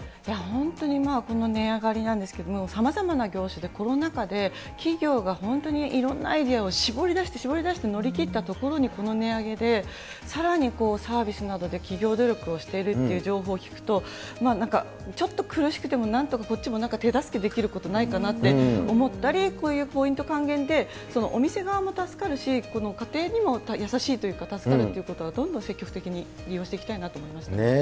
本当にまあ、この値上がりなんですけども、さまざまな業種でコロナ禍で、企業が本当にいろんなアイデアを絞り出して絞り出して乗り切ったところにこの値上げで、さらにサービスなどで企業努力をしているという情報を聞くと、ちょっと苦しくてもなんとかこっちも手助けできることないかなって思ったり、こういうポイント還元で、お店側も助かるし、この家庭にも優しいというか、助かるということはどんどん積極的に利用していきたいなと思いま